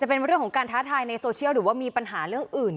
เป็นเรื่องของการท้าทายในโซเชียลหรือว่ามีปัญหาเรื่องอื่น